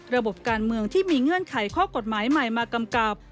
ระบบการเมืองที่มีเงื่อนไขข้อกฎหมายใหม่มากำกับ